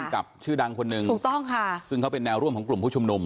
กับชื่อดังคนหนึ่งถูกต้องค่ะซึ่งเขาเป็นแนวร่วมของกลุ่มผู้ชุมนุม